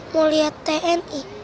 mau lihat tni